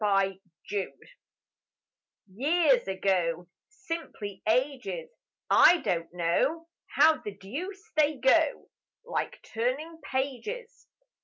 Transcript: Friends Years ago, Simply ages; I don't know How the deuce they go: Like turning pages!